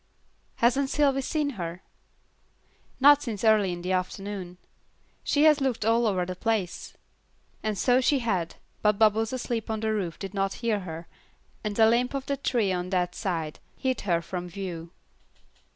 "Hasn't Sylvy seen her?" "Not since early in the afternoon. She has looked all over the place." And so she had, but Bubbles asleep on the roof did not hear her, and a limb of the tree on that side hid her from view.